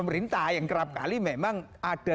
pemerintah yang kerap kali memang ada